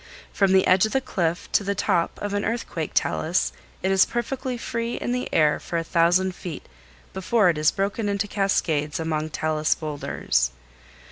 From the edge of the cliff to the top of an earthquake talus it is perfectly free in the air for a thousand feet before it is broken into cascades among talus boulders.